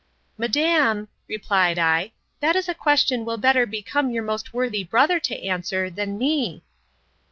—Madam, replied I, that is a question will better become your most worthy brother to answer, than me.